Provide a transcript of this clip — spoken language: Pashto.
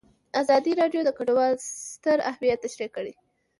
ازادي راډیو د کډوال ستر اهميت تشریح کړی.